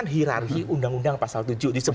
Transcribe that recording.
tetapi di pasal delapan ada